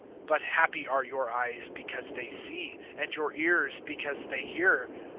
(16)But happy are your eyes, because they see; and your ears, because they hear.